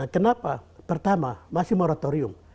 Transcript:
kenapa pertama masih moratorium